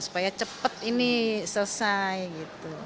supaya cepat ini selesai gitu